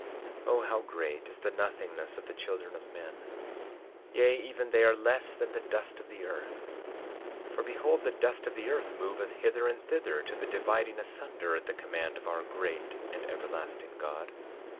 12:7 O how great is the nothingness of the children of men; yea, even they are less than the dust of the earth. 12:8 For behold, the dust of the earth moveth hither and thither, to the dividing asunder, at the command of our great and everlasting God.